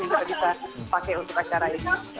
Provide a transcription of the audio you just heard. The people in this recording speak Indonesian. yang bisa kita pakai untuk acara ini